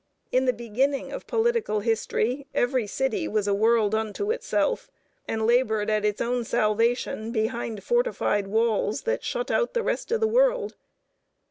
In the beginning of political history, every city was a world unto itself, and labored at its own salvation behind fortified walls that shut out the rest of the world.